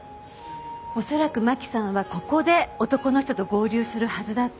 恐らくマキさんはここで男の人と合流するはずだった。